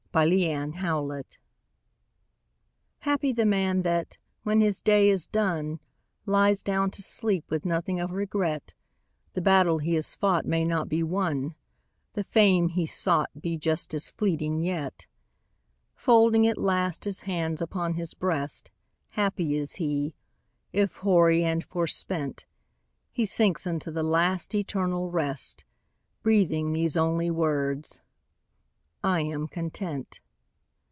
CONTENTMENT Happy the man that, when his day is done, Lies down to sleep with nothing of regret The battle he has fought may not be won The fame he sought be just as fleeting yet; Folding at last his hands upon his breast, Happy is he, if hoary and forespent, He sinks into the last, eternal rest, Breathing these only works: "I am content."